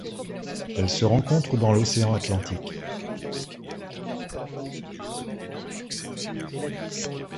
Elle se rencontre dans l'océan Atlantique.